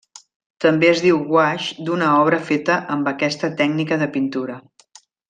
També es diu guaix d'una obra feta amb aquesta tècnica de pintura.